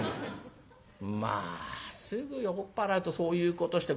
「まあすぐ酔っ払うとそういうことして。